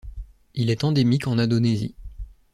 Il est endémique en Indonésie.